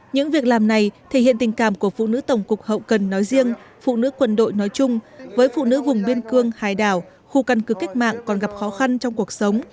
những việc làm này thể hiện tình cảm của phụ nữ tổng cục hậu cần nói riêng phụ nữ quân đội nói chung với phụ nữ vùng biên cương hải đảo khu căn cứ cách mạng còn gặp khó khăn trong cuộc sống